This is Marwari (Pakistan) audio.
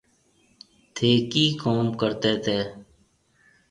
ٿي ڪِي ڪوم ڪرتي تي